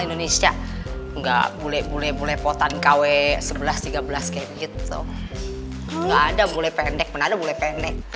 indonesia enggak bule bule bule potan kw sebelas tiga belas kayak gitu nggak ada bule pendek